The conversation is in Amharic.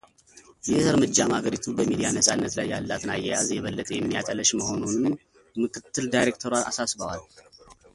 ይህ እርምጃም አገሪቱ በሚዲያ ነጻነት ላይ ያላትን አያያዝ የበለጠ የሚያጠለሽ መሆኑንም ምክትል ዳይሬክተሯ አሳስበዋል።